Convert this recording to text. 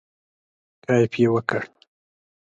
کیف یې وکړ.